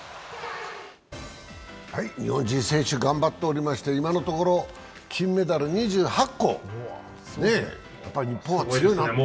日本人選手頑張っておりまして、今のところ金メダル２８個、日本は強いね。